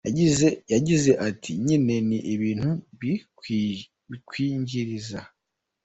Yagize ati “nyine ni ibintu bikwinjiriza….